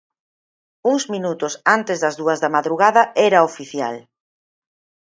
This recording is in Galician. Uns minutos antes das dúas da madrugada era oficial.